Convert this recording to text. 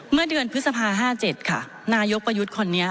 เมื่อเดือนพฤษภา๕๗ค่ะนายกประยุทธ์คนนี้